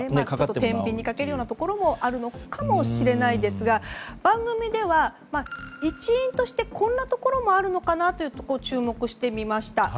天秤にかけるようなところもあるかもしれませんが番組では、一因としてこんなこともあるのかなというところに注目してみました。